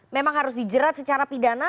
memang harus dijerat secara pidana